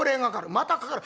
「またかかる？」。